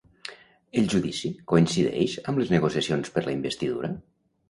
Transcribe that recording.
El judici coincideix amb les negociacions per la investidura.